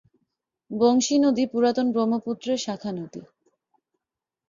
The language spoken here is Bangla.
বংশী নদী পুরাতন ব্রহ্মপুত্রের শাখানদী।